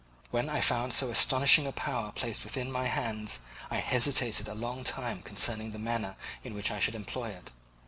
When I found so astonishing a power placed within my hands, I hesitated a long time concerning the manner in which I should employ it.